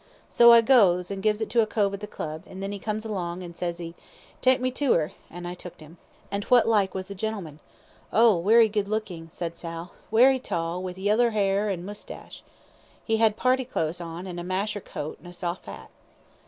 So out I goes, and gives it to a cove at the Club, an' then 'e comes along, an' ses 'e, 'Take me to 'er,' and I tooked 'im." "And what like was the gentleman?" "Oh, werry good lookin'," said Sal. "Werry tall, with yeller 'air an' moustache. He 'ad party clothes on, an' a masher coat, an' a soft 'at."